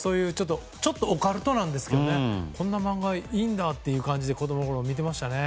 ちょっとオカルトなんですけどこんな漫画、いいんだっていう感じで子供のころ見てました。